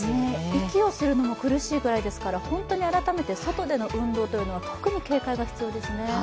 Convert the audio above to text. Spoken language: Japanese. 息をするのも苦しいくらいですから、改めて外での運動というのは特に警戒が必要ですね。